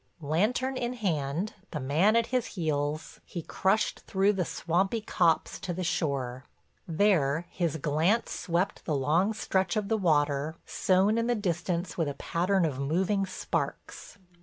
Lantern in hand, the man at his heels, he crushed through the swampy copse to the shore. There his glance swept the long stretch of the water, sewn in the distance with a pattern of moving sparks.